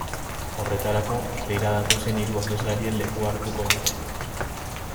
Horretarako, herrira datozen hiru abeslarien lekua hartuko dute.